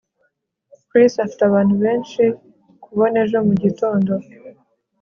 Chris afite abantu benshi kubona ejo mugitondo